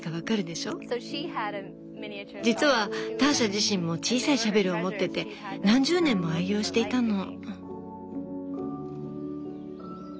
実はターシャ自身も小さいシャベルを持ってて何十年も愛用していたの。